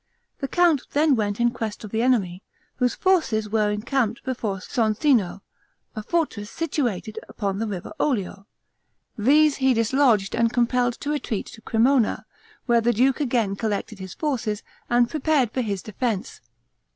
The count then went in quest of the enemy, whose forces were encamped before Soncino, a fortress situated upon the River Oglio; these he dislodged and compelled to retreat to Cremona, where the duke again collected his forces, and prepared for his defense.